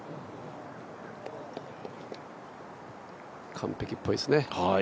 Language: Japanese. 完璧っぽいですね。